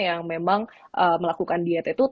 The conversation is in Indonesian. yang memang melakukan diet itu